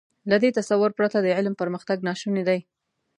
له دې تصور پرته د علم پرمختګ ناشونی دی.